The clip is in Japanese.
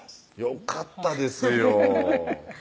よかったですよ